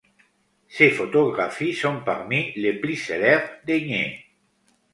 Ces photographies sont parmi les plus célèbres d'Aigner.